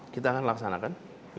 kita akan laksanakan